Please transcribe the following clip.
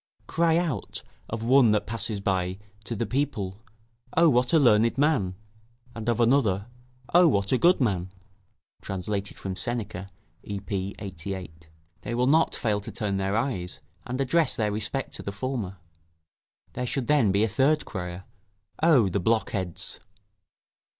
Cry out, of one that passes by, to the people: "O, what a learned man!" and of another, "O, what a good man!" [Translated from Seneca, Ep., 88.] they will not fail to turn their eyes, and address their respect to the former. There should then be a third crier, "O, the blockheads!"